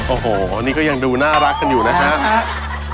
โอ้โหนี่ก็ยังดูน่ารักกันอยู่นะครับ